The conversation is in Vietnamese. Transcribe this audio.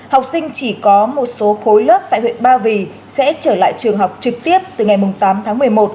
học sinh chỉ có một số khối lớp tại huyện ba vì sẽ trở lại trường học trực tiếp từ ngày tám tháng một mươi một